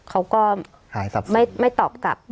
เอ้ยไม่ใช่ขอโทษ